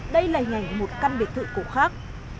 đây là hình ảnh một căn biệt thự cổ khác